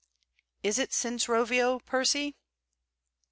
'Is it since Rovio, Percy?'